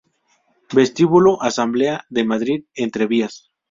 Vestíbulo Asamblea de Madrid-Entrevías